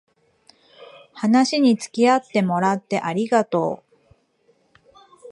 話につきあってもらってありがとう